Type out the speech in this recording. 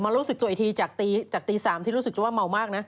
รู้สึกตัวอีกทีจากตี๓ที่รู้สึกจะว่าเมามากนะ